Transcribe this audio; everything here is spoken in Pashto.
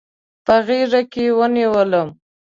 په غېږ کې ونیولم.